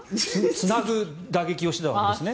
つなぐ打撃をしていたわけですね。